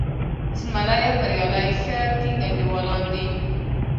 زمری او بریالی ښه ټینګ انډیوالان دي.